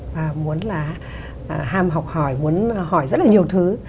và muốn là ham học hỏi muốn hỏi rất là nhiều thứ